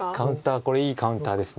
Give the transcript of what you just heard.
これいいカウンターです。